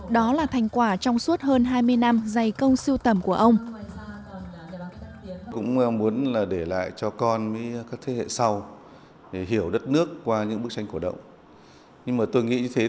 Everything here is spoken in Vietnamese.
đó là thành quả trong suốt hơn hai mươi năm dày công siêu tầm của ông